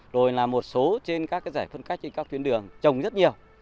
rồi là một số trên các cái dãy phân cách trên các tuyến đường trồng rất nhiều